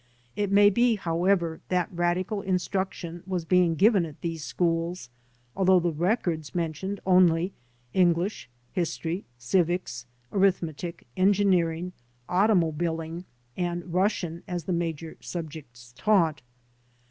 It may be, however, that radical instruction was being given at these schools al though the records mentioned only English, history, civics, arithmetic, engineering, automobiling and Rus sian as the major subjects taught.